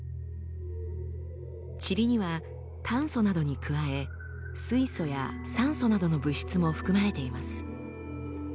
チリには炭素などに加え水素や酸素などの物質も含まれています。